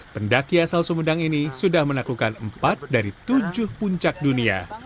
pendaki asal sumedang ini sudah menaklukkan empat dari tujuh puncak dunia